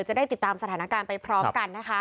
จะได้ติดตามสถานการณ์ไปพร้อมกันนะคะ